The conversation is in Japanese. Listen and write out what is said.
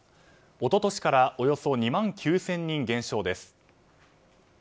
一昨年からおよそ２万９０００人減少です。